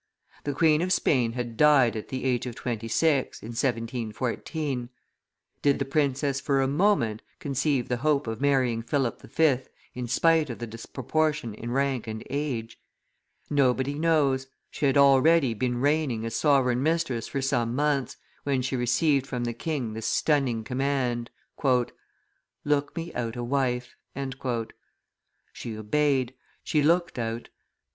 The Queen of Spain had died at the age of twenty six, in 1714; did the princess for a moment conceive the hope of marrying Philip V. in spite of the disproportion in rank and age? Nobody knows; she had already been reigning as sovereign mistress for some months, when she received from the king this stunning command: "Look me out a wife." She obeyed; she looked out.